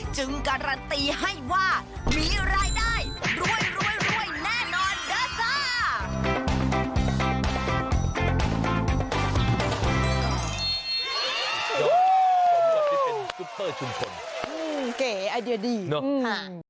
จึงการัตรีให้ว่ามีรายได้รวยแน่นอนเหรอค่ะ